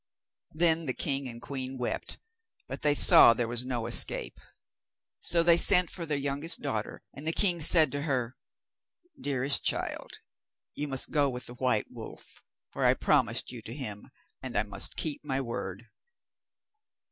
Then the king and the queen wept, but they saw there was no escape. So they sent for their youngest daughter, and the king said to her: 'Dearest child, you must go with the white wolf, for I promised you to him, and I must keep my word.